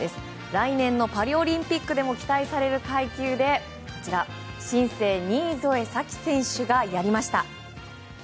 来年のパリオリンピックでも期待される階級で新星・新添左季選手がやりました！